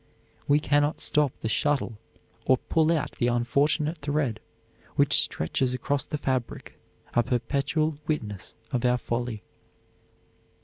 We cannot stop the shuttle or pull out the unfortunate thread which stretches across the fabric, a perpetual witness of our folly.